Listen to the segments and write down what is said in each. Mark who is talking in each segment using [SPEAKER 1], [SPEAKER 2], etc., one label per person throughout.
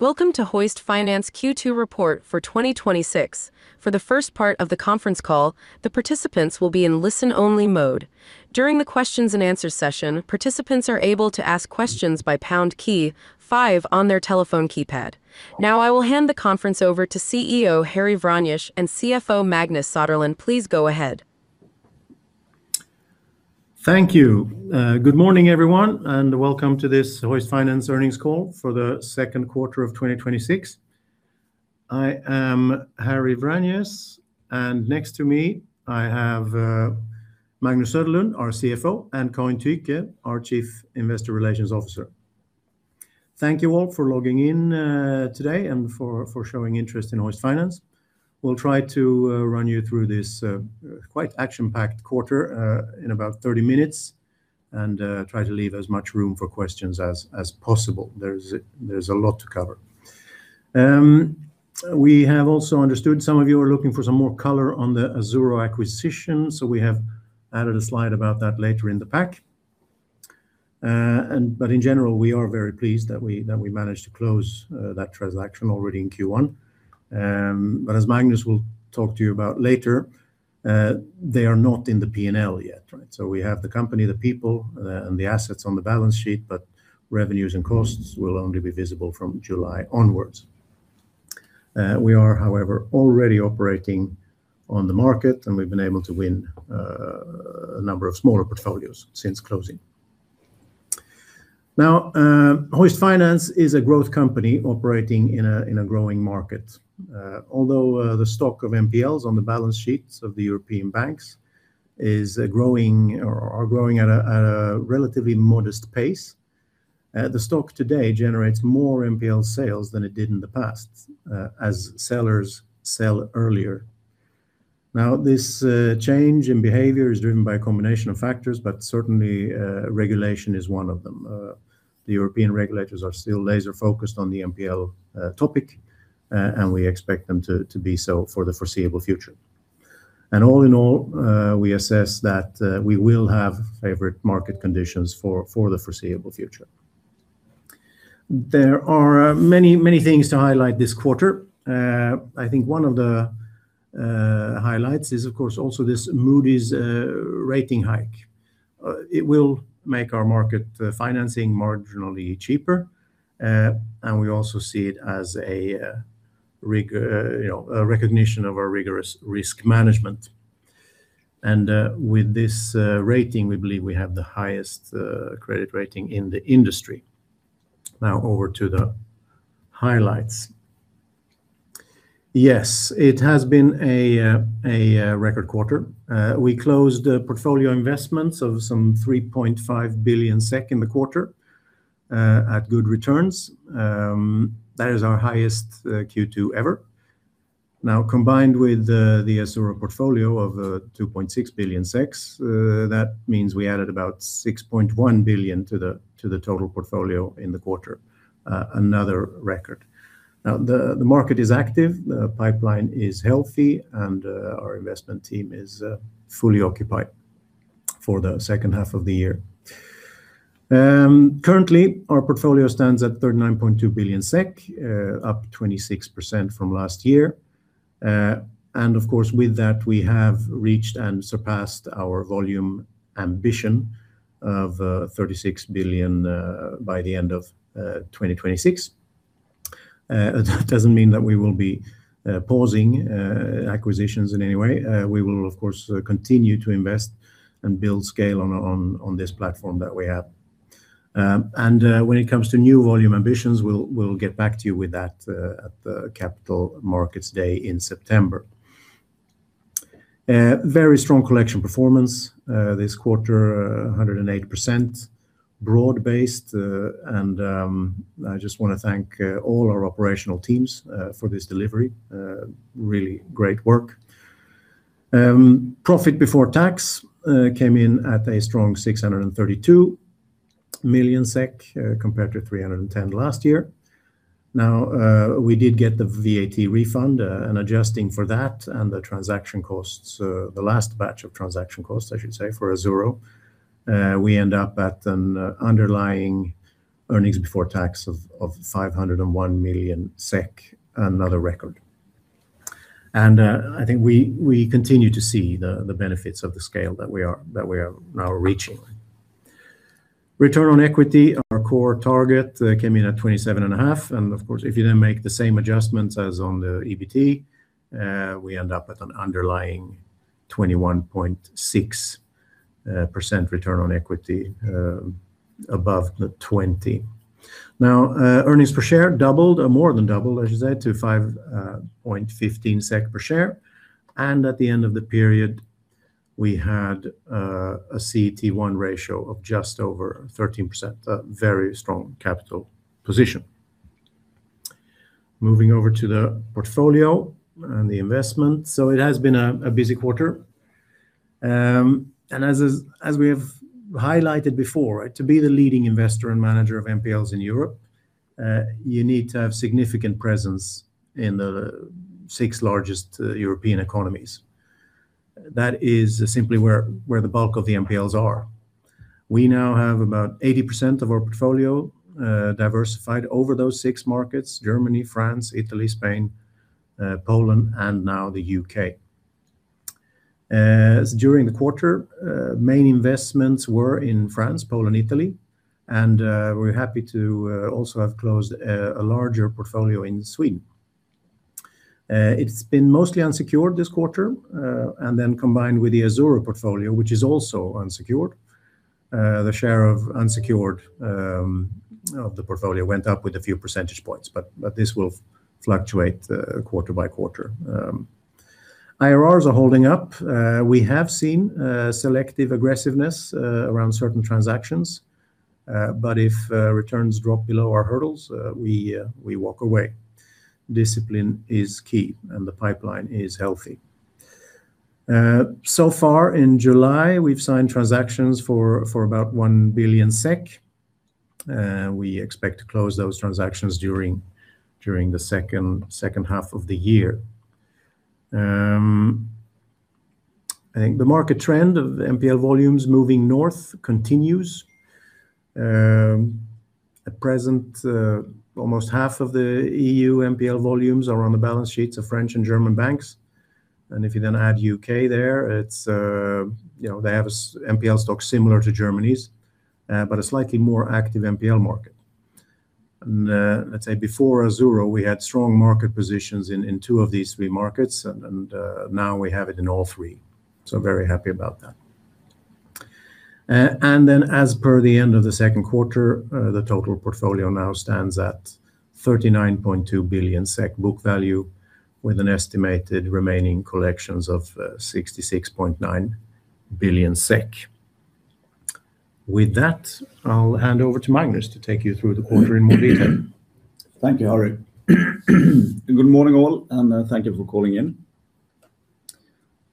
[SPEAKER 1] Welcome to Hoist Finance Q2 report for 2026. For the first part of the conference call, the participants will be in listen-only mode. During the questions and answers session, participants are able to ask questions by pound key five on their telephone keypad. I will hand the conference over to CEO Harry Vranjes and CFO Magnus Söderlund. Please go ahead.
[SPEAKER 2] Thank you. Good morning, everyone, and welcome to this Hoist Finance earnings call for the second quarter of 2026. I am Harry Vranjes, and next to me I have Magnus Söderlund, our CFO, and Karin Tyche, our Chief Investor Relations Officer. Thank you all for logging in today and for showing interest in Hoist Finance. We'll try to run you through this quite action-packed quarter in about 30 minutes and try to leave as much room for questions as possible. There's a lot to cover. We have also understood some of you are looking for some more color on the Azzurro acquisition. We have added a slide about that later in the pack. In general, we are very pleased that we managed to close that transaction already in Q1. As Magnus will talk to you about later, they are not in the P&L yet. We have the company, the people, and the assets on the balance sheet. Revenues and costs will only be visible from July onwards. We are, however, already operating on the market, and we've been able to win a number of smaller portfolios since closing. Hoist Finance is a growth company operating in a growing market. Although the stock of NPLs on the balance sheets of the European banks are growing at a relatively modest pace, the stock today generates more NPL sales than it did in the past as sellers sell earlier. This change in behavior is driven by a combination of factors. Certainly regulation is one of them. The European regulators are still laser-focused on the NPL topic, and we expect them to be so for the foreseeable future. All in all, we assess that we will have favorite market conditions for the foreseeable future. There are many things to highlight this quarter. I think one of the highlights is, of course, also this Moody's rating hike. It will make our market financing marginally cheaper, and we also see it as a recognition of our rigorous risk management. With this rating, we believe we have the highest credit rating in the industry. Over to the highlights. Yes, it has been a record quarter. We closed portfolio investments of 3.5 billion SEK in the quarter at good returns. That is our highest Q2 ever. Combined with the Azzurro portfolio of 2.6 billion, that means we added about 6.1 billion to the total portfolio in the quarter, another record. The market is active, the pipeline is healthy, and our investment team is fully occupied for the second half of the year. Currently, our portfolio stands at 39.2 billion SEK, up 26% from last year. With that, we have reached and surpassed our volume ambition of 36 billion by the end of 2026. That doesn't mean that we will be pausing acquisitions in any way. We will, of course, continue to invest and build scale on this platform that we have. When it comes to new volume ambitions, we'll get back to you with that at the Capital Markets Day in September. Very strong collection performance this quarter, 108%, broad-based. I just want to thank all our operational teams for this delivery. Really great work. Profit before tax came in at a strong 632 million SEK compared to 310 million last year. We did get the VAT refund, and adjusting for that and the transaction costs, the last batch of transaction costs, I should say, for Azzurro, we end up at an underlying earnings before tax of 501 million SEK, another record. I think we continue to see the benefits of the scale that we are now reaching. Return on equity, our core target, came in at 27.5%. Of course, if you then make the same adjustments as on the EBT, we end up with an underlying 21.6% return on equity above the 20%. Earnings per share doubled, or more than doubled, I should say, to 5.15 SEK per share. At the end of the period, we had a CET1 ratio of just over 13%, a very strong capital position. Moving over to the portfolio and the investment. It has been a busy quarter. As we have highlighted before, to be the leading investor and manager of NPLs in Europe, you need to have significant presence in the six largest European economies. That is simply where the bulk of the NPLs are. We now have about 80% of our portfolio diversified over those six markets, Germany, France, Italy, Spain, Poland, and now the U.K. During the quarter, main investments were in France, Poland, Italy, and we're happy to also have closed a larger portfolio in Sweden. It's been mostly unsecured this quarter, and then combined with the Azzurro portfolio, which is also unsecured. The share of unsecured of the portfolio went up with a few percentage points, but this will fluctuate quarter by quarter. IRRs are holding up. We have seen selective aggressiveness around certain transactions. If returns drop below our hurdles, we walk away. Discipline is key, the pipeline is healthy. So far in July, we've signed transactions for about 1 billion SEK. We expect to close those transactions during the second half of the year. I think the market trend of the NPL volumes moving north continues. At present almost half of the E.U. NPL volumes are on the balance sheets of French and German banks. If you then add U.K. there, they have NPL stocks similar to Germany's. A slightly more active NPL market. Let's say before Azzurro, we had strong market positions in two of these three markets and now we have it in all three. Very happy about that. As per the end of the second quarter, the total portfolio now stands at 39.2 billion SEK book value with an estimated remaining collections of 66.9 billion SEK. With that, I'll hand over to Magnus to take you through the quarter in more detail.
[SPEAKER 3] Thank you, Harry. Good morning, all, and thank you for calling in.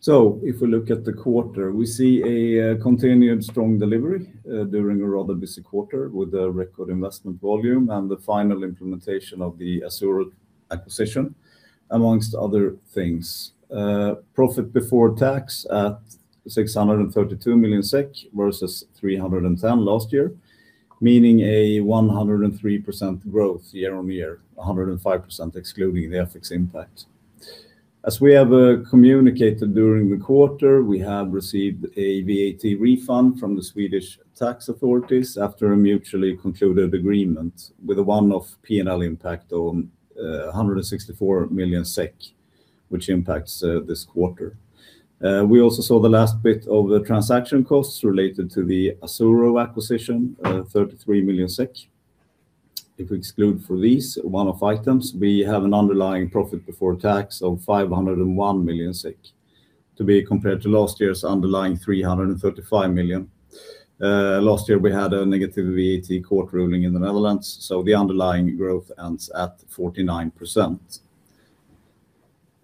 [SPEAKER 3] If we look at the quarter, we see a continued strong delivery during a rather busy quarter with a record investment volume and the final implementation of the Azzurro acquisition, amongst other things. Profit before tax at 632 million SEK versus 310 million last year, meaning a 103% growth year-on-year, 105% excluding the FX impact. As we have communicated during the quarter, we have received a VAT refund from the Swedish tax authorities after a mutually concluded agreement with a one-off P&L impact on 164 million SEK, which impacts this quarter. We also saw the last bit of the transaction costs related to the Azzurro acquisition of 33 million SEK. If we exclude for these one-off items, we have an underlying profit before tax of 501 million to be compared to last year's underlying 335 million. Last year we had a negative VAT court ruling in the Netherlands, the underlying growth ends at 49%.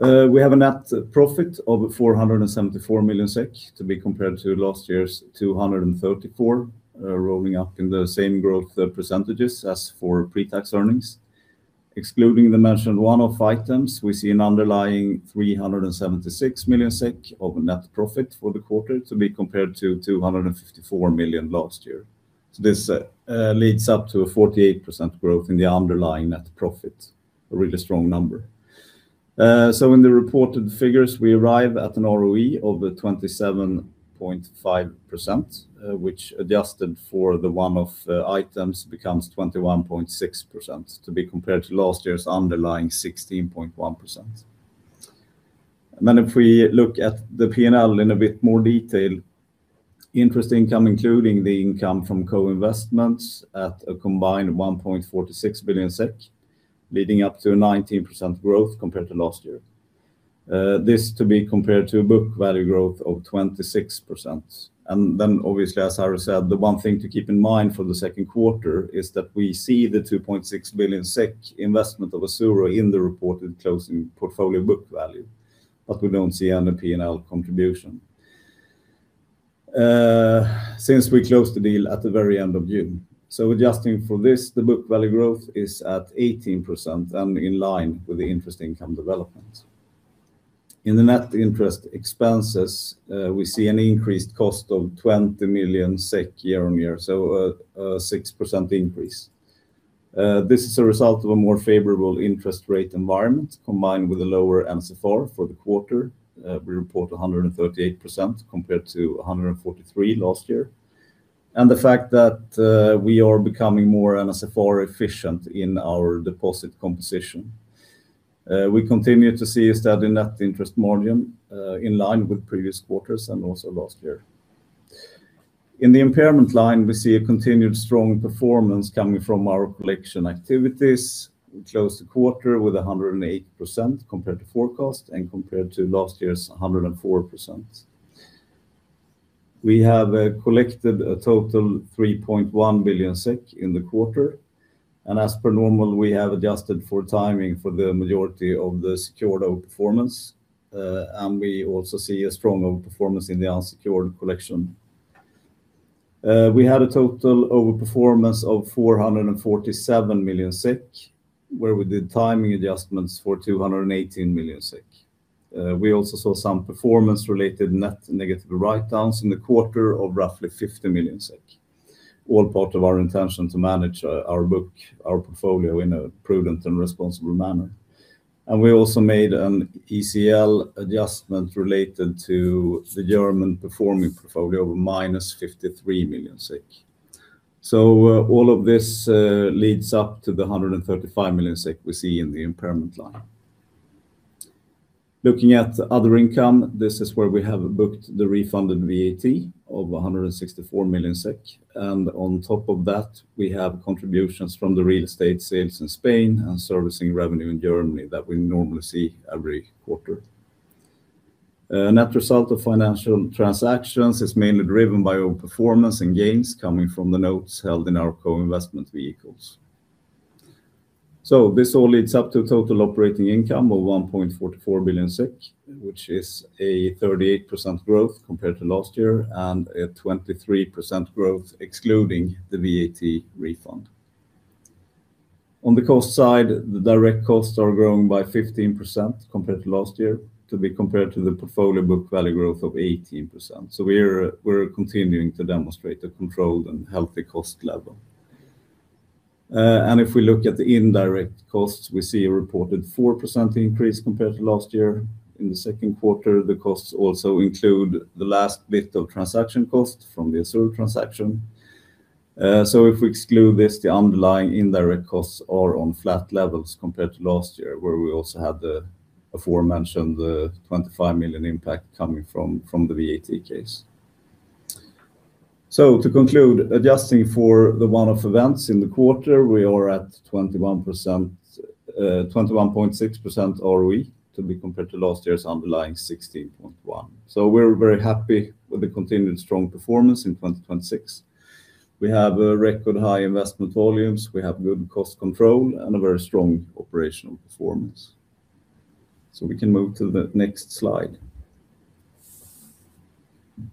[SPEAKER 3] We have a net profit of 474 million SEK to be compared to last year's 234 million, rolling up in the same growth percentages as for pre-tax earnings. Excluding the mentioned one-off items, we see an underlying 376 million SEK of net profit for the quarter to be compared to 254 million last year. This leads up to a 48% growth in the underlying net profit, a really strong number. In the reported figures, we arrive at an ROE of 27.5%, which adjusted for the one-off items becomes 21.6% to be compared to last year's underlying 16.1%. If we look at the P&L in a bit more detail, interest income including the income from co-investments at a combined 1.46 billion SEK, leading up to a 19% growth compared to last year. This to be compared to a book value growth of 26%. Obviously, as Harry said, the one thing to keep in mind for the second quarter is that we see the 2.6 billion SEK investment of Azzurro in the reported closing portfolio book value, but we don't see any P&L contribution since we closed the deal at the very end of June. Adjusting for this, the book value growth is at 18% and in line with the interest income development. In the net interest expenses, we see an increased cost of 20 million SEK year-on-year, a 6% increase. This is a result of a more favorable interest rate environment combined with a lower NSFR for the quarter. We report 138% compared to 143% last year. The fact that we are becoming more NSFR efficient in our deposit composition. We continue to see a steady net interest margin in line with previous quarters and also last year. In the impairment line, we see a continued strong performance coming from our collection activities. We closed the quarter with 108% compared to forecast and compared to last year's 104%. We have collected a total 3.1 billion SEK in the quarter, and as per normal, we have adjusted for timing for the majority of the secured outperformance. We also see a strong outperformance in the unsecured collection. We had a total overperformance of 447 million SEK, where we did timing adjustments for 218 million SEK. We also saw some performance-related net negative write-downs in the quarter of roughly 50 million SEK, all part of our intention to manage our book, our portfolio, in a prudent and responsible manner. We also made an ECL adjustment related to the German performing portfolio of -53 million. All of this leads up to the 135 million we see in the impairment line. Looking at other income, this is where we have booked the refunded VAT of 164 million SEK, and on top of that, we have contributions from the real estate sales in Spain and servicing revenue in Germany that we normally see every quarter. Net result of financial transactions is mainly driven by overperformance and gains coming from the notes held in our co-investment vehicles. This all leads up to total operating income of 1.44 billion SEK, which is a 38% growth compared to last year and a 23% growth excluding the VAT refund. On the cost side, the direct costs are growing by 15% compared to last year to be compared to the portfolio book value growth of 18%. We are continuing to demonstrate a controlled and healthy cost level. If we look at the indirect costs, we see a reported 4% increase compared to last year. In the second quarter, the costs also include the last bit of transaction cost from the Azzurro transaction. If we exclude this, the underlying indirect costs are on flat levels compared to last year, where we also had the aforementioned 25 million impact coming from the VAT case. To conclude, adjusting for the one-off events in the quarter, we are at 21.6% ROE to be compared to last year's underlying 16.1%. We are very happy with the continued strong performance in 2026. We have record high investment volumes, we have good cost control, and a very strong operational performance. We can move to the next slide.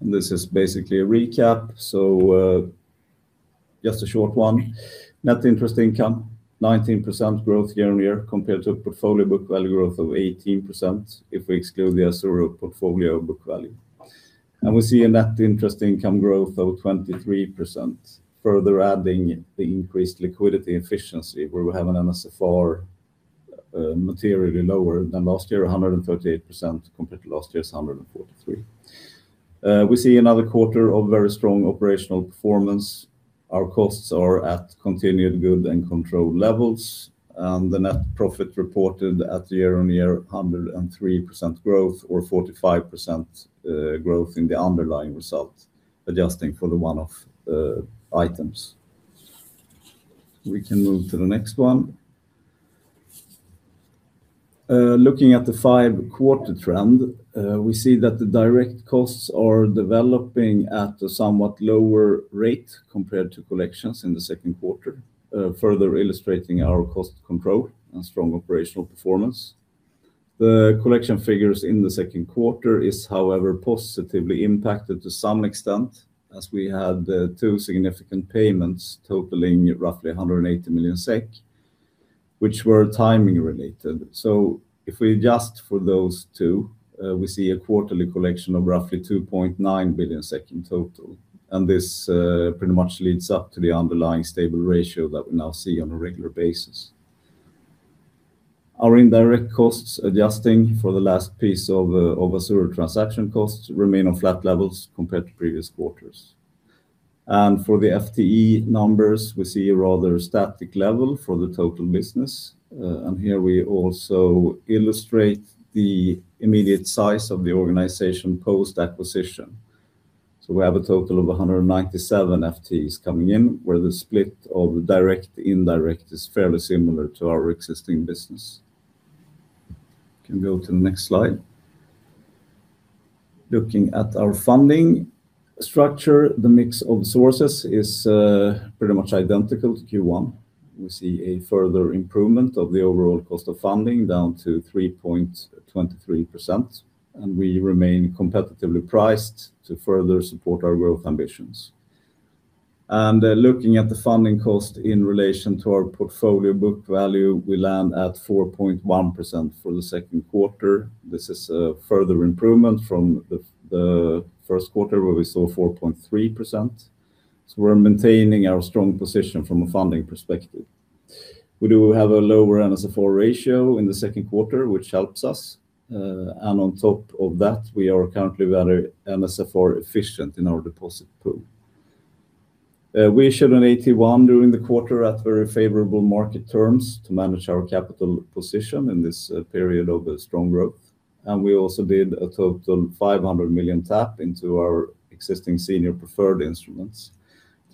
[SPEAKER 3] This is basically a recap, just a short one. Net interest income, 19% growth year-on-year compared to a portfolio book value growth of 18% if we exclude the Azzurro portfolio book value. We see a net interest income growth of 23%, further adding the increased liquidity efficiency where we have an NSFR materially lower than last year, 138% compared to last year's 143%. We see another quarter of very strong operational performance. Our costs are at continued good and controlled levels. The net profit reported at year-on-year 103% growth or 45% growth in the underlying result, adjusting for the one-off items. We can move to the next one. Looking at the five-quarter trend, we see that the direct costs are developing at a somewhat lower rate compared to collections in the second quarter, further illustrating our cost control and strong operational performance. The collection figures in the second quarter is, however, positively impacted to some extent as we had two significant payments totaling roughly 180 million SEK, which were timing related. If we adjust for those two, we see a quarterly collection of roughly 2.9 billion in total, and this pretty much leads up to the underlying stable ratio that we now see on a regular basis. Our indirect costs, adjusting for the last piece of Azzurro transaction costs, remain on flat levels compared to previous quarters. For the FTE numbers, we see a rather static level for the total business. Here we also illustrate the immediate size of the organization post-acquisition. We have a total of 197 FTEs coming in, where the split of direct/indirect is fairly similar to our existing business. Can go to the next slide. Looking at our funding structure, the mix of sources is pretty much identical to Q1. We see a further improvement of the overall cost of funding down to 3.23%, and we remain competitively priced to further support our growth ambitions. Looking at the funding cost in relation to our portfolio book value, we land at 4.1% for the second quarter. This is a further improvement from the first quarter where we saw 4.3%. We're maintaining our strong position from a funding perspective. We do have a lower NSFR ratio in the second quarter, which helps us. On top of that, we are currently very NSFR efficient in our deposit pool. We issued an AT1 during the quarter at very favorable market terms to manage our capital position in this period of strong growth. We also did a total 500 million tap into our existing senior preferred instruments,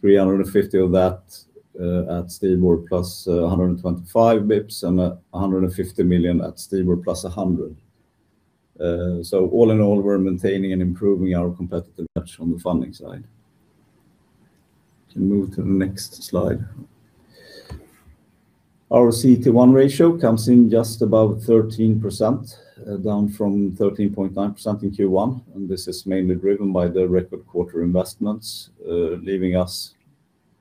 [SPEAKER 3] 350 million of that at STIBOR +125 basis points and 150 million at STIBOR +100 basis points. All in all, we're maintaining and improving our competitiveness on the funding side. Can move to the next slide. Our CET1 ratio comes in just above 13%, down from 13.9% in Q1, and this is mainly driven by the record quarter investments, leaving us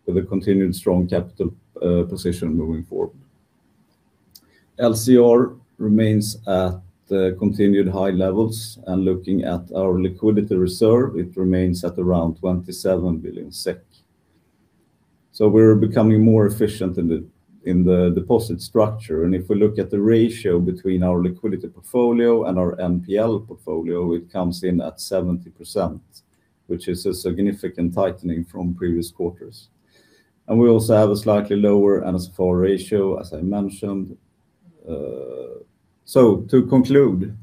[SPEAKER 3] with a continued strong capital position moving forward. LCR remains at continued high levels. Looking at our liquidity reserve, it remains at around 27 billion SEK. We're becoming more efficient in the deposit structure. If we look at the ratio between our liquidity portfolio and our NPL portfolio, it comes in at 70%, which is a significant tightening from previous quarters. We also have a slightly lower NSFR ratio, as I mentioned. To conclude,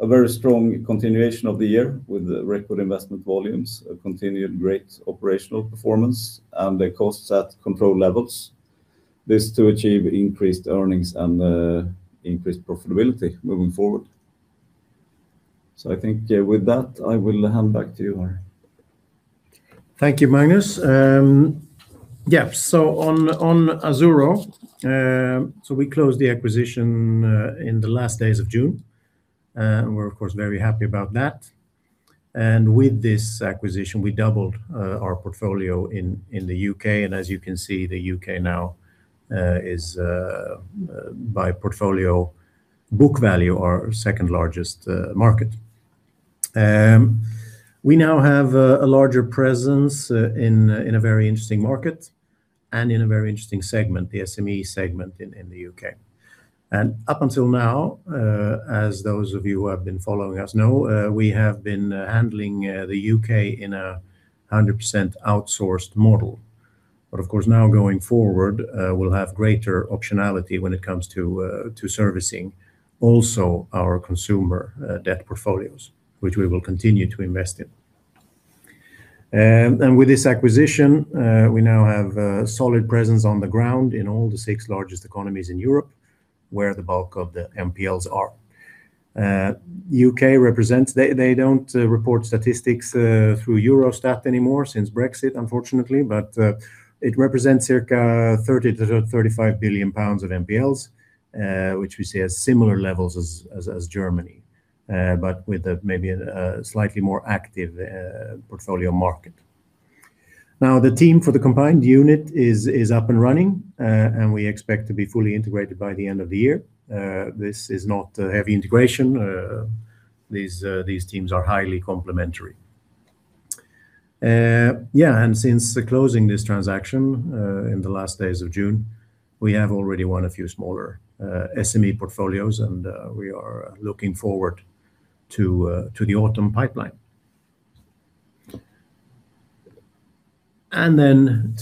[SPEAKER 3] a very strong continuation of the year with record investment volumes, a continued great operational performance, and the costs at control levels. This to achieve increased earnings and increased profitability moving forward. I think with that, I will hand back to you, Harry.
[SPEAKER 2] Thank you, Magnus. On Azzurro, we closed the acquisition in the last days of June. We are of course very happy about that. With this acquisition, we doubled our portfolio in the U.K. As you can see, the U.K. now is by portfolio book value our second largest market. We now have a larger presence in a very interesting market and in a very interesting segment, the SME segment in the U.K. Up until now, as those of you who have been following us know, we have been handling the U.K. in a 100% outsourced model. Of course now going forward we will have greater optionality when it comes to servicing also our consumer debt portfolios, which we will continue to invest in. With this acquisition we now have a solid presence on the ground in all the six largest economies in Europe, where the bulk of the NPLs are. U.K., they don't report statistics through Eurostat anymore since Brexit, unfortunately, but it represents circa 30 billion-35 billion pounds of NPLs, which we see as similar levels as Germany but with maybe a slightly more active portfolio market. The team for the combined unit is up and running, and we expect to be fully integrated by the end of the year. This is not a heavy integration. These teams are highly complementary. Since closing this transaction in the last days of June, we have already won a few smaller SME portfolios and we are looking forward to the autumn pipeline.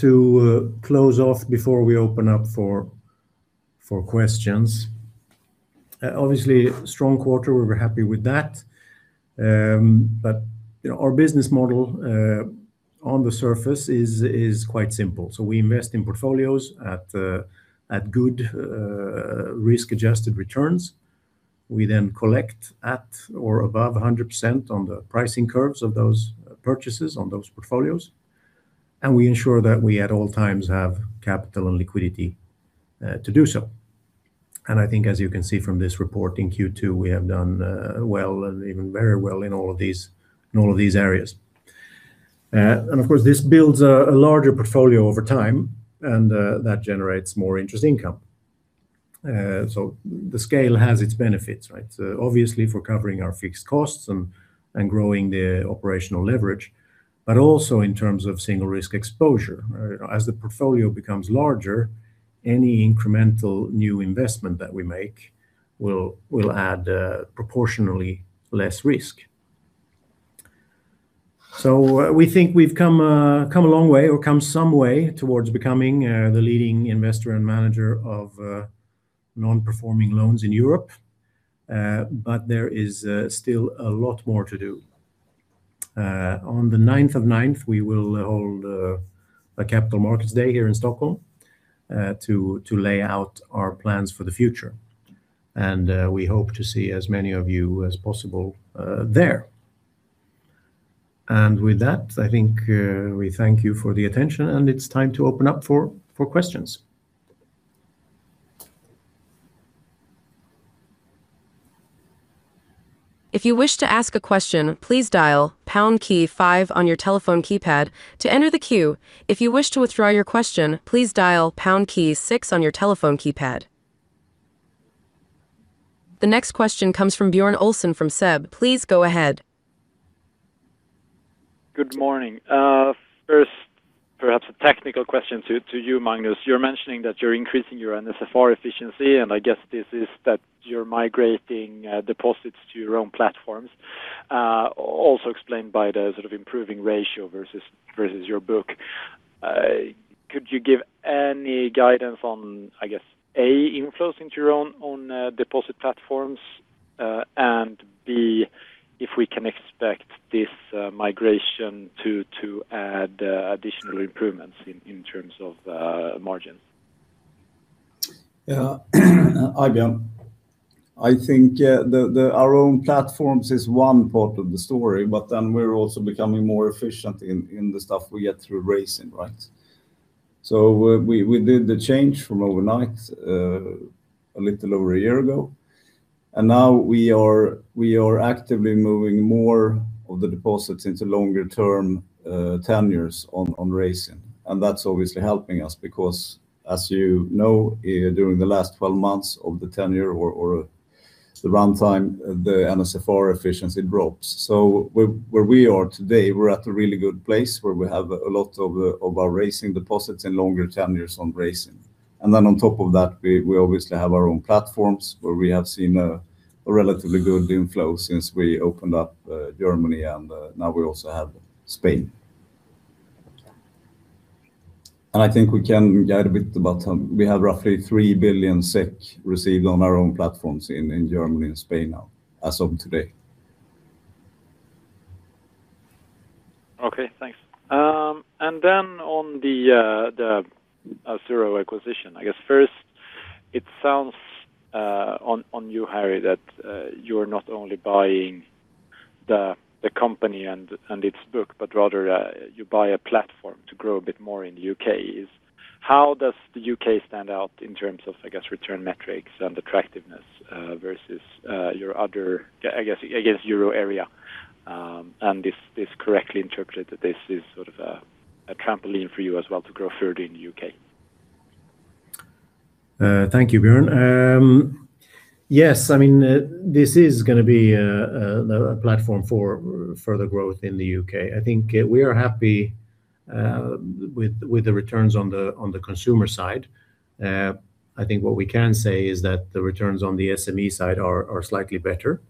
[SPEAKER 2] To close off before we open up for questions, obviously strong quarter, we are happy with that. Our business model on the surface is quite simple. We invest in portfolios at good risk-adjusted returns. We collect at or above 100% on the pricing curves of those purchases on those portfolios. We ensure that we at all times have capital and liquidity to do so. I think as you can see from this report in Q2, we have done well and even very well in all of these areas. Of course, this builds a larger portfolio over time, and that generates more interest income. The scale has its benefits. Obviously for covering our fixed costs and growing the operational leverage, but also in terms of single risk exposure. As the portfolio becomes larger, any incremental new investment that we make will add proportionally less risk. We think we have come a long way or come some way towards becoming the leading investor and manager of non-performing loans in Europe. There is still a lot more to do. On the ninth of ninth, we will hold a Capital Markets Day here in Stockholm to lay out our plans for the future. We hope to see as many of you as possible there. With that, I think we thank you for the attention and it's time to open up for questions.
[SPEAKER 1] If you wish to ask a question, please dial pound key five on your telephone keypad to enter the queue. If you wish to withdraw your question, please dial pound key six on your telephone keypad. The next question comes from Björn Olsson from SEB. Please go ahead.
[SPEAKER 4] Good morning. First, perhaps a technical question to you, Magnus. You're mentioning that you're increasing your NSFR efficiency, and I guess this is that you're migrating deposits to your own platforms. Also explained by the improving ratio versus your book. Could you give any guidance on, I guess, A, inflows into your own deposit platforms? And B, if we can expect this migration to add additional improvements in terms of margins?
[SPEAKER 3] Yeah, hi, Björn. I think our own platforms is one part of the story, but then we're also becoming more efficient in the stuff we get through Raisin. We did the change from overnight a little over a year ago, and now we are actively moving more of the deposits into longer-term tenures on Raisin. That's obviously helping us because, as you know, during the last 12 months of the tenure or the runtime, the NSFR efficiency drops. Where we are today, we're at a really good place where we have a lot of our Raisin deposits and longer tenures on Raisin. On top of that, we obviously have our own platforms where we have seen a relatively good inflow since we opened up Germany and now we also have Spain. I think we can guide a bit about them. We have roughly 3 billion SEK received on our own platforms in Germany and Spain now as of today.
[SPEAKER 4] Okay, thanks. On the Azzurro acquisition, I guess first it sounds on you, Harry, that you're not only buying the company and its book, but rather you buy a platform to grow a bit more in the U.K. How does the U.K. stand out in terms of return metrics and attractiveness versus your other euro area? Is correctly interpreted this is sort of a trampoline for you as well to grow further in the U.K.
[SPEAKER 2] Thank you, Björn. Yes, this is going to be a platform for further growth in the U.K. I think we are happy with the returns on the consumer side. I think what we can say is that the returns on the SME side are slightly better.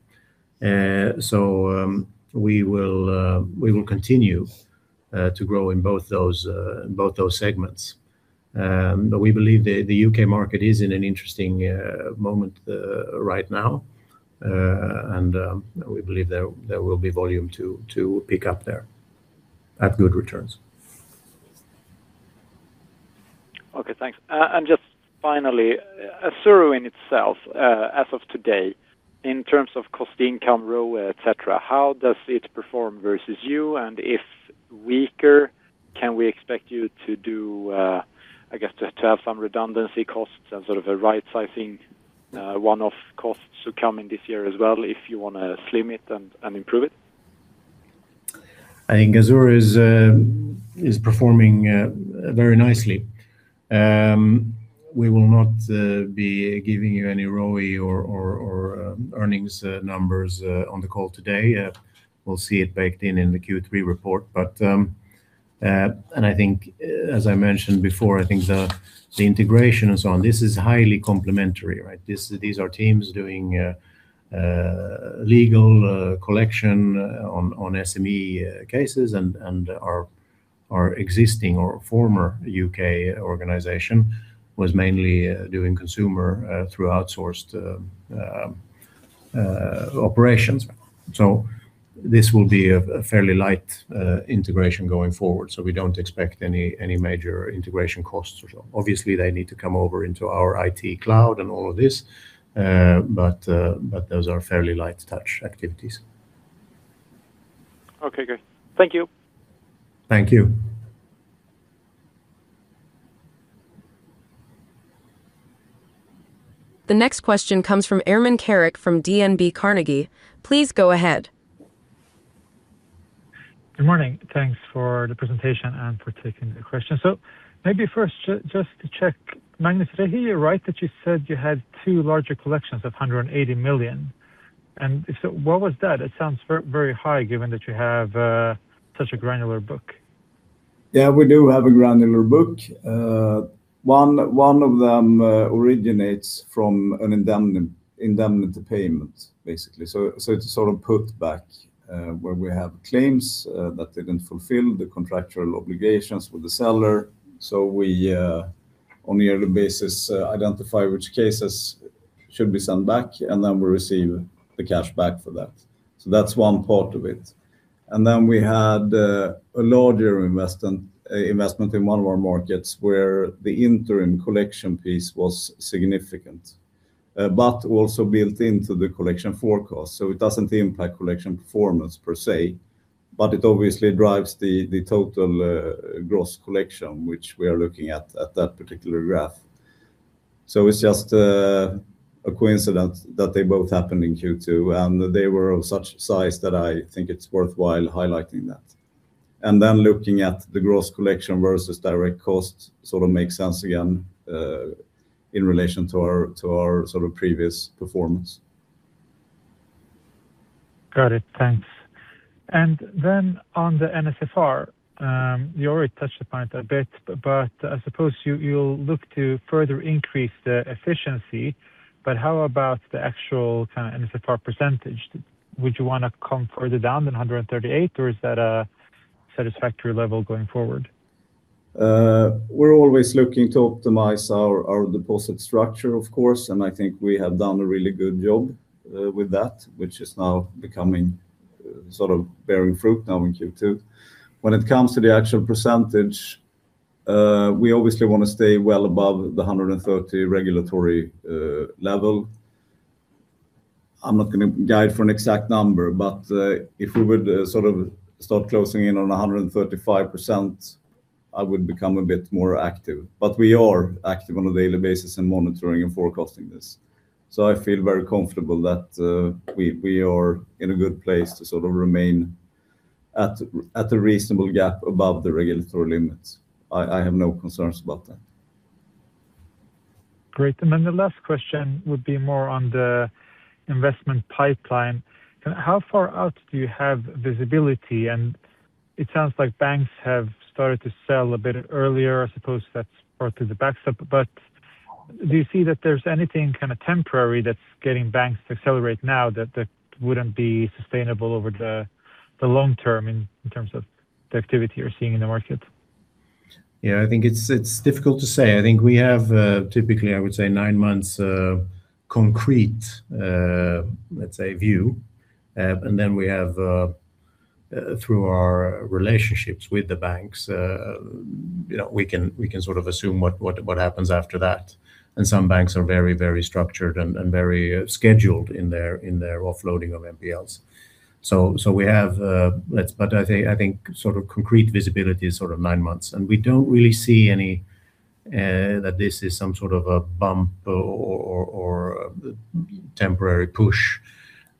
[SPEAKER 2] We will continue to grow in both those segments. But we believe the U.K. market is in an interesting moment right now. We believe there will be volume to pick up there at good returns.
[SPEAKER 4] Okay, thanks. Just finally, Azzurro in itself as of today, in terms of Cost-to-Income Ratio, et cetera, how does it perform versus you? If weaker, can we expect you to have some redundancy costs and sort of a right sizing one-off costs to come in this year as well if you want to slim it and improve it?
[SPEAKER 2] I think Azzurro is performing very nicely. We will not be giving you any ROE or earnings numbers on the call today. We will see it baked in in the Q3 report. As I mentioned before, I think the integration and so on, this is highly complementary. These are teams doing legal collection on SME cases and our existing or former U.K. organization was mainly doing consumer through outsourced operations. This will be a fairly light integration going forward, so we do not expect any major integration costs or so. Obviously, they need to come over into our IT cloud and all of this. Those are fairly light touch activities.
[SPEAKER 4] Okay, good. Thank you.
[SPEAKER 2] Thank you.
[SPEAKER 1] The next question comes from Ermin Keric from DNB Carnegie. Please go ahead.
[SPEAKER 5] Good morning. Thanks for the presentation and for taking the question. Maybe first just to check, Magnus, did I hear you right that you said you had two larger collections of 180 million? If so, what was that? It sounds very high given that you have such a granular book.
[SPEAKER 3] Yeah, we do have a granular book. One of them originates from an indemnity payment basically. It's sort of put back where we have claims that they didn't fulfill the contractual obligations with the seller. We on a yearly basis identify which cases should be sent back, and then we receive the cash back for that. That's one part of it. Then we had a larger investment in one of our markets where the interim collection piece was significant. Also built into the collection forecast, it doesn't impact collection performance per se, but it obviously drives the total gross collection which we are looking at at that particular graph. It's just a coincidence that they both happened in Q2, and they were of such size that I think it's worthwhile highlighting that. Then looking at the gross collection versus direct cost sort of makes sense again in relation to our previous performance.
[SPEAKER 5] Got it. Thanks. Then on the NSFR, you already touched the point a bit, I suppose you'll look to further increase the efficiency, how about the actual kind of NSFR percentage? Would you want to come further down than 138% or is that a satisfactory level going forward?
[SPEAKER 3] We're always looking to optimize our deposit structure, of course, and I think we have done a really good job with that, which is now becoming sort of bearing fruit now in Q2. When it comes to the actual percentage, we obviously want to stay well above the 130% regulatory level. I'm not going to guide for an exact number, but if we would start closing in on 135%, I would become a bit more active. We are active on a daily basis in monitoring and forecasting this. I feel very comfortable that we are in a good place to remain at a reasonable gap above the regulatory limits. I have no concerns about that.
[SPEAKER 5] Great. The last question would be more on the investment pipeline. How far out do you have visibility? It sounds like banks have started to sell a bit earlier. I suppose that's part of the backstop, do you see that there's anything temporary that's getting banks to accelerate now that wouldn't be sustainable over the long term in terms of the activity you're seeing in the market?
[SPEAKER 2] I think it's difficult to say. I think we have typically, I would say, nine months of concrete view. We have through our relationships with the banks, we can assume what happens after that. Some banks are very structured and very scheduled in their offloading of NPLs. I think concrete visibility is nine months, we don't really see any that this is some sort of a bump or temporary push.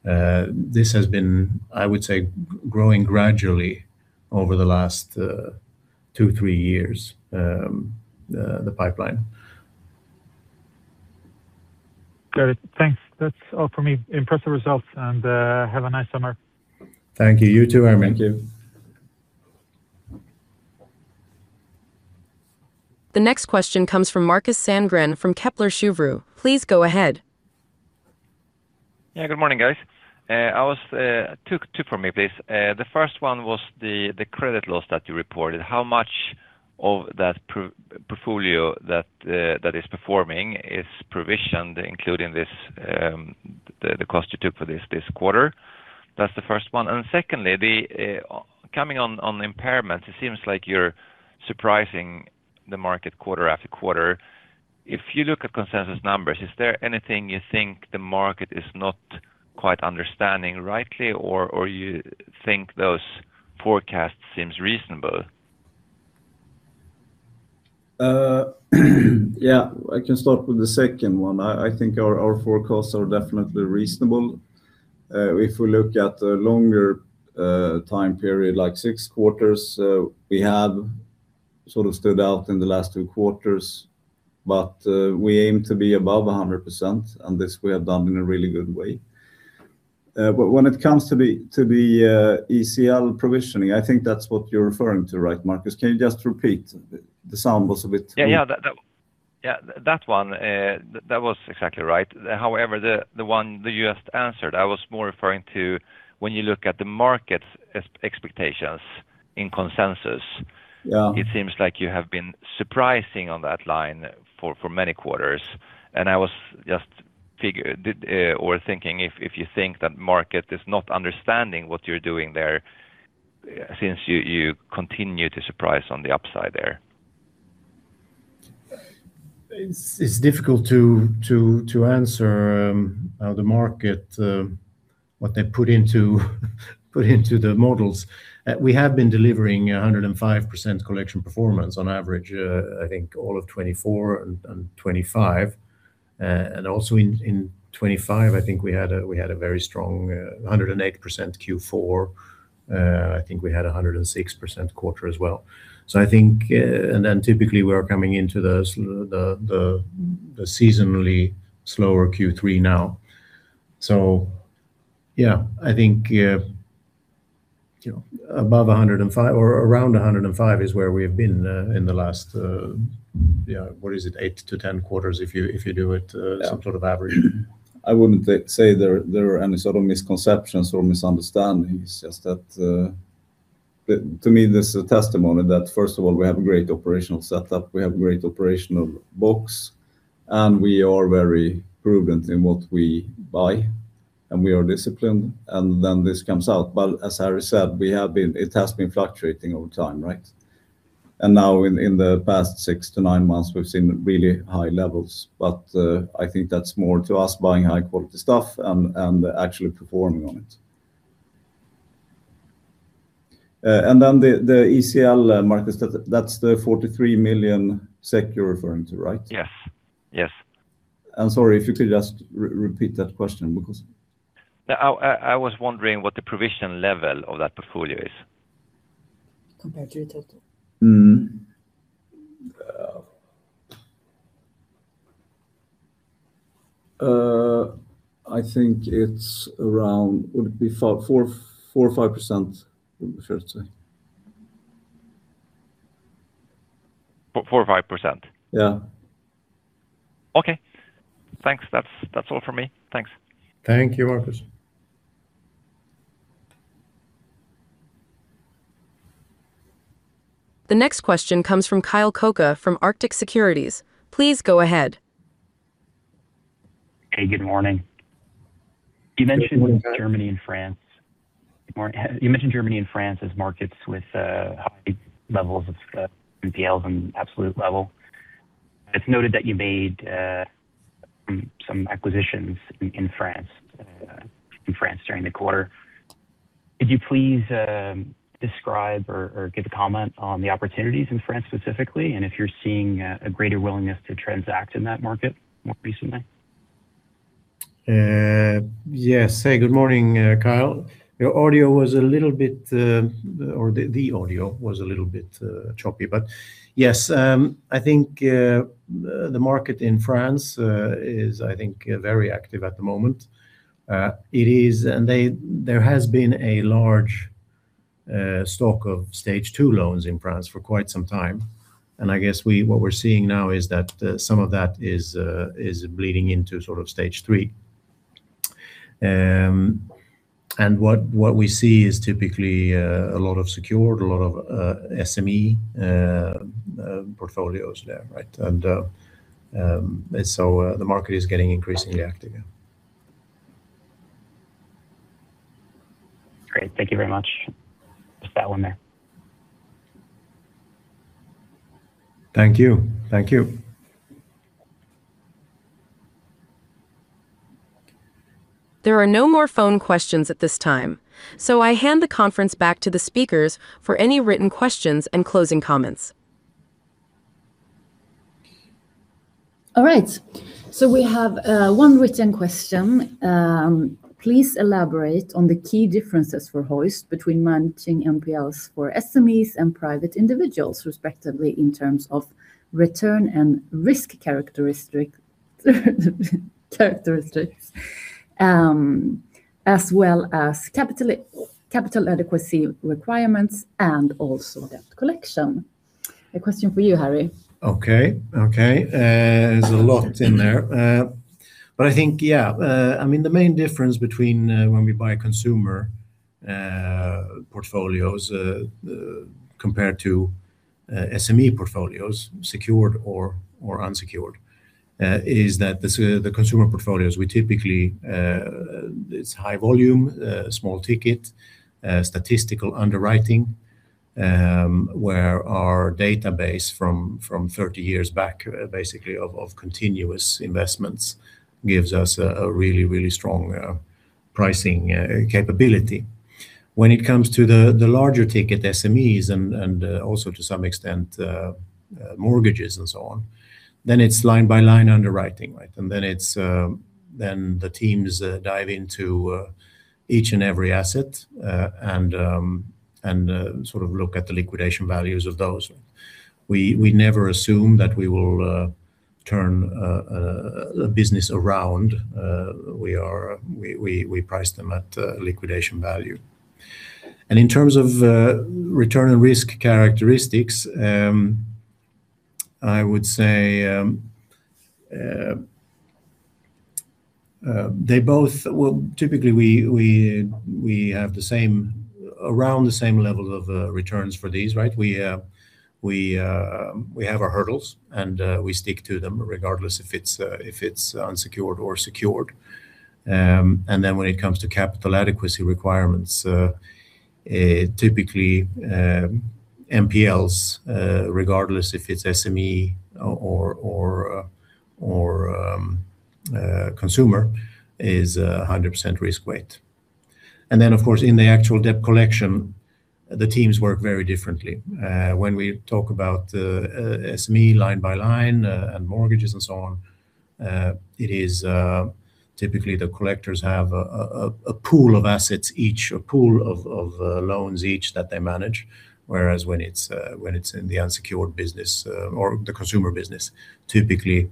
[SPEAKER 2] This has been, I would say, growing gradually over the last two, three years, the pipeline.
[SPEAKER 5] Got it. Thanks. That's all from me. Impressive results, have a nice summer.
[SPEAKER 3] Thank you. You too, Ermin.
[SPEAKER 2] Thank you.
[SPEAKER 1] The next question comes from Markus Sandgren from Kepler Cheuvreux. Please go ahead.
[SPEAKER 6] Yeah. Good morning, guys. Two from me, please. The first one was the credit loss that you reported. How much of that portfolio that is performing is provisioned, including the cost you took for this quarter? That's the first one. Secondly, coming on impairments, it seems like you're surprising the market quarter after quarter. If you look at consensus numbers, is there anything you think the market is not quite understanding rightly, or you think those forecasts seems reasonable?
[SPEAKER 3] Yeah, I can start with the second one. I think our forecasts are definitely reasonable. If we look at the longer time period, like six quarters, we have stood out in the last two quarters, but we aim to be above 100%, and this we have done in a really good way. But when it comes to the ECL provisioning, I think that's what you're referring to, right, Markus? Can you just repeat?
[SPEAKER 6] Yeah. That one. That was exactly right. However, the one that you just answered, I was more referring to when you look at the market's expectations in consensus.
[SPEAKER 3] Yeah.
[SPEAKER 6] It seems like you have been surprising on that line for many quarters, and I was just thinking if you think that market is not understanding what you're doing there since you continue to surprise on the upside there?
[SPEAKER 2] It's difficult to answer the market, what they put into the models. We have been delivering 105% collection performance on average, I think all of 2024 and 2025. Also in 2025, I think we had a very strong, 108% Q4. I think we had 106% quarter as well. Then typically, we are coming into the seasonally slower Q3 now. Yeah, I think above 105% or around 105% is where we've been in the last, what is it, eight to 10 quarters if you do it some sort of average.
[SPEAKER 3] I wouldn't say there are any misconceptions or misunderstandings. Just that to me, this is a testimony that first of all, we have a great operational setup, we have great operational books, and we are very prudent in what we buy, and we are disciplined, and then this comes out. As Harry said, it has been fluctuating over time, right? Now in the past six to nine months, we've seen really high levels. I think that's more to us buying high quality stuff and actually performing on it. The ECL markets, that's the 43 million SEK you're referring to, right?
[SPEAKER 6] Yes.
[SPEAKER 3] Sorry if you could just repeat that question because.
[SPEAKER 6] I was wondering what the provision level of that portfolio is?
[SPEAKER 2] Compared to total?
[SPEAKER 3] I think it's around, would it be 4% or 5% would be fair to say.
[SPEAKER 6] 4% or 5%?
[SPEAKER 3] Yeah.
[SPEAKER 6] Okay. Thanks. That's all from me. Thanks.
[SPEAKER 3] Thank you, Markus.
[SPEAKER 1] The next question comes from Kyle Koka from Arctic Securities. Please go ahead.
[SPEAKER 7] Hey, good morning. You mentioned Germany and France. You mentioned Germany and France as markets with high levels of NPLs on absolute level. It's noted that you made some acquisitions in France during the quarter. Could you please describe or give a comment on the opportunities in France specifically, and if you're seeing a greater willingness to transact in that market more recently?
[SPEAKER 2] Yes. Hey, good morning, Kyle. Your audio was a little bit choppy, but yes. I think the market in France is very active at the moment. There has been a large stock of Stage 2 loans in France for quite some time, and I guess what we're seeing now is that some of that is bleeding into Stage 3. What we see is typically a lot of secured, a lot of SME portfolios there. The market is getting increasingly active again.
[SPEAKER 7] Great. Thank you very much. Just that one there.
[SPEAKER 2] Thank you.
[SPEAKER 1] There are no more phone questions at this time. I hand the conference back to the speakers for any written questions and closing comments.
[SPEAKER 8] All right. We have one written question. Please elaborate on the key differences for Hoist between managing NPLs for SMEs and private individuals, respectively, in terms of return and risk characteristics, as well as capital adequacy requirements and also debt collection. A question for you, Harry.
[SPEAKER 2] Okay. There's a lot in there. I think, yeah, the main difference between when we buy consumer portfolios compared to SME portfolios, secured or unsecured, is that the consumer portfolios, we typically, it's high volume, small ticket, statistical underwriting, where our database from 30 years back basically of continuous investments gives us a really strong pricing capability. When it comes to the larger ticket SMEs and also to some extent mortgages and so on, it's line-by-line underwriting. The teams dive into each and every asset, and look at the liquidation values of those. We never assume that we will turn a business around. We price them at liquidation value. In terms of return and risk characteristics, I would say they both. Well, typically we have around the same level of returns for these. We have our hurdles, we stick to them regardless if it's unsecured or secured. When it comes to capital adequacy requirements, typically NPLs, regardless if it's SME or consumer, is 100% risk weight. Of course, in the actual debt collection, the teams work very differently. When we talk about SME line by line and mortgages and so on, it is typically the collectors have a pool of assets each, a pool of loans each that they manage, whereas when it's in the unsecured business or the consumer business, typically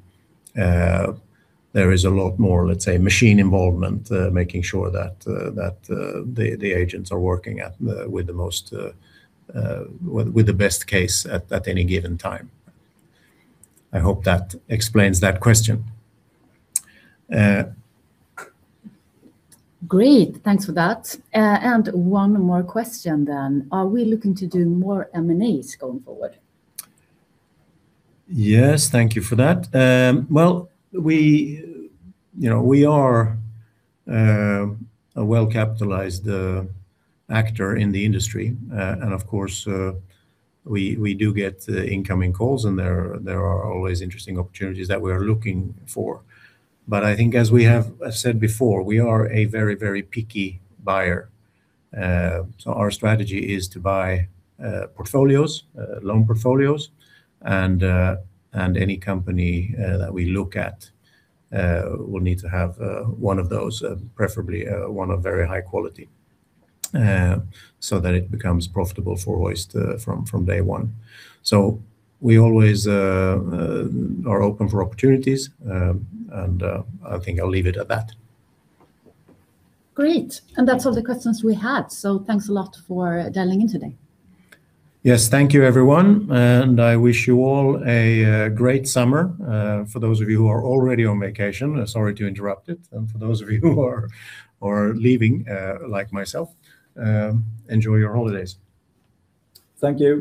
[SPEAKER 2] there is a lot more, let's say, machine involvement, making sure that the agents are working with the best case at any given time. I hope that explains that question.
[SPEAKER 8] Great. Thanks for that. One more question. Are we looking to do more M&As going forward?
[SPEAKER 2] Yes, thank you for that. Well, we are a well-capitalized actor in the industry. Of course, we do get incoming calls, and there are always interesting opportunities that we are looking for. I think as we have said before, we are a very picky buyer. Our strategy is to buy portfolios, loan portfolios, and any company that we look at will need to have one of those, preferably one of very high quality so that it becomes profitable for Hoist from day one. We always are open for opportunities, and I think I'll leave it at that.
[SPEAKER 8] Great. That's all the questions we had. Thanks a lot for dialing in today.
[SPEAKER 2] Yes. Thank you everyone, and I wish you all a great summer. For those of you who are already on vacation, sorry to interrupt it, and for those of you who are leaving, like myself, enjoy your holidays.
[SPEAKER 3] Thank you.